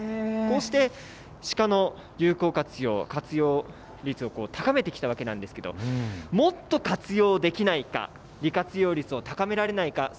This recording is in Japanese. こうして、鹿の有効活用、活用率を高めてきたわけなんですけれども、もっと活用できないか、利活用率を高められないか。